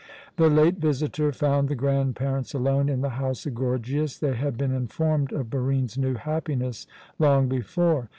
The late visitor found the grandparents alone in the house of Gorgias. They had been informed of Barine's new happiness long before.